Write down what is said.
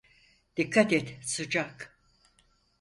Dikkat et, sıcak.